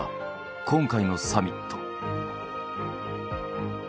今回のサミット。